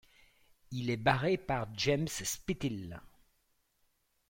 Il est barré par James Spithill.